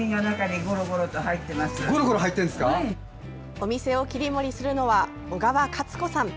お店を切り盛りするのは小川勝子さん。